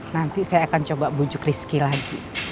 nanti saya akan coba bujuk rizky lagi